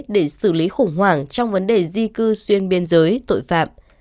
để xử lý khủng hoảng trong vấn đề di cư xuyên biên giới tội phạm